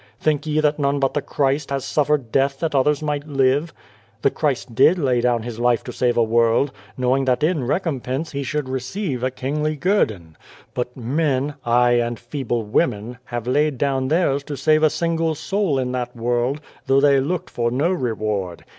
Think ye that none but the Christ has suffered death that others might live ? The Christ did lay down His life to save a world, knowing that in recompense He should receive a kingly guerdon ; but men aye, and feeble women have laid down theirs to save a single soul in that world, though they looked for no reward.